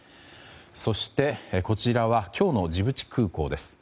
そして、こちらは今日のジブチ空港です。